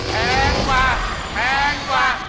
แพงกว่าแพงกว่า